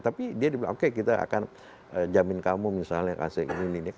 tapi dia dibilang oke kita akan jamin kamu misalnya kasih ini